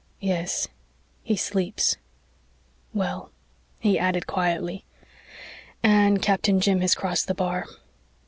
"Yes, he sleeps well," he added quietly. "Anne, Captain Jim has crossed the bar."